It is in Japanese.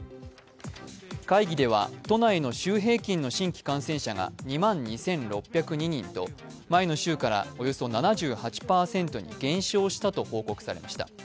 会議では都内の週平均の新規感染者が２万２６０２人と、前の週からおよそ７８％に減少したと報告されました。